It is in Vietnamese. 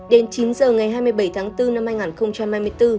đến chín h ngày hai mươi bảy tháng bốn năm